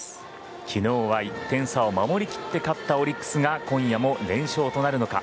昨日は１点差を守り切って勝ったオリックスが今夜も連勝となるのか。